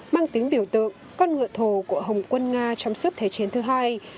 mang tính biểu tượng con ngựa thổ của hồng quân nga trong suốt thế chiến thứ hai